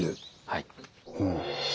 はい。